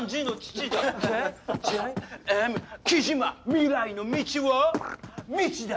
未来の道は未知だ